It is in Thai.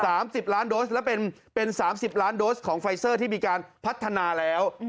สิบล้านโดสแล้วเป็นเป็นสามสิบล้านโดสของไฟเซอร์ที่มีการพัฒนาแล้ว